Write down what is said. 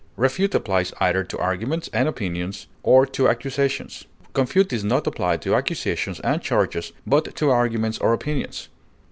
Refute applies either to arguments and opinions or to accusations; confute is not applied to accusations and charges, but to arguments or opinions.